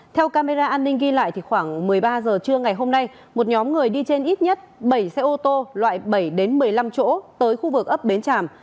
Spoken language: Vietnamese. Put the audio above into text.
theo camera an ninh ghi lại khoảng một mươi ba h trưa ngày hôm nay một nhóm người đi trên ít nhất bảy xe ô tô loại bảy một mươi năm chỗ tới khu vực ấp bến tràm